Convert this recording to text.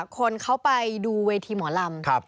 คนเขาไปดูเวทีหมอลำ